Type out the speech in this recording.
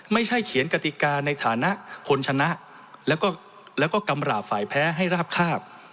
ไม่ใช่เขียนกติกาในฐานะคนชนะแล้วก็กำราบฝ่ายแพ้ให้ราบคาบ